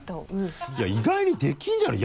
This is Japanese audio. いや意外にできるんじゃない？